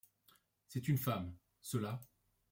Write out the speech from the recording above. C’est une femme. Cela